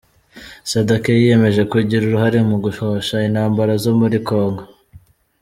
Sadake yiyemeje kugira uruhare mu guhosha intambara zo muri kongo